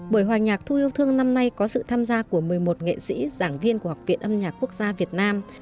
buổi hòa nhạc thu yêu thương năm nay có sự tham gia của một mươi một nghệ sĩ giảng viên của học viện âm nhạc quốc gia việt nam